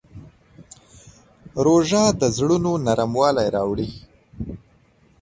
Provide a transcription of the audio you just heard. روژه د زړونو نرموالی راوړي.